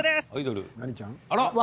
何ちゃん？